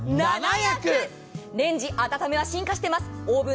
レンジ温めも進化しています。